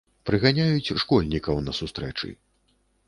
Прыганяюць школьнікаў на сустрэчы.